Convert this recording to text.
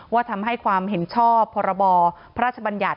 ทำให้ความเห็นชอบพรบพระราชบัญญัติ